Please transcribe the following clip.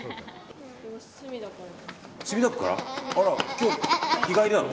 今日日帰りなの？